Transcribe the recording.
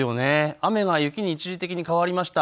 雨が雪に一時的に変わりました。